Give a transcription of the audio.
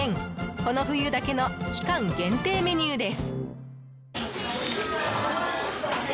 この冬だけの期間限定メニューです。